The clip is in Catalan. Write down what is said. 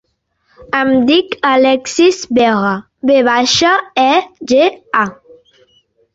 Em dic Alexis Vega: ve baixa, e, ge, a.